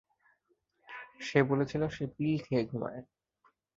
সে বলেছিল, সে পিল খেয়ে ঘুমায়!